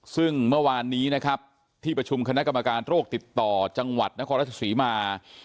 ซึ่งเมื่อวานนี้นะครับที่ประชุมคณะกรรมการโรคติดต่อจังหวัดนครราชศรีมา